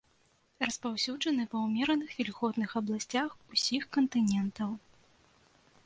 Распаўсюджаны ва ўмераных вільготных абласцях усіх кантынентаў.